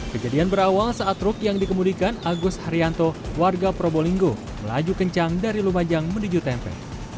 kejadian berawal saat truk yang dikemudikan agus haryanto warga probolinggo melaju kencang dari lumajang menuju tempe